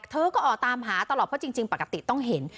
เธอก็ออกตามหาตลอดเพราะจริงปกติต้องเห็น